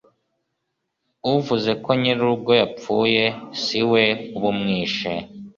uvuze ko nyir'urugo yapfuye si we uba umwishe